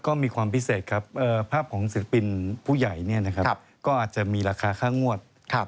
ก็มีความพิเศษครับภาพของศิลปินผู้ใหญ่ก็อาจจะมีราคาค่างวด